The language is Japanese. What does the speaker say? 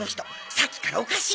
さっきからおかしいの。